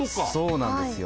そうなんですよ。